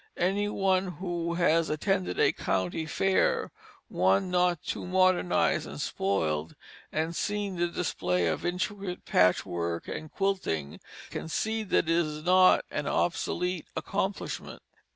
Any one who has attended a county fair (one not too modernized and spoiled) and seen the display of intricate patchwork and quilting still made in country homes, can see that it is not an obsolete accomplishment.